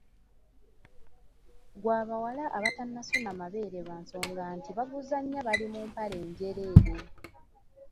Gwa bawala abatannasuna mabeere lwa nsonga nti baguzannya bali mu mpale njereere.